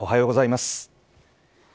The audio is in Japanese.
おはようございます。